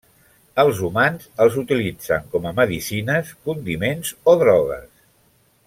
Els humans els utilitzen com a medicines, condiments o drogues.